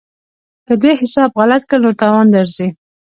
که دې حساب غلط کړ نو تاوان درځي.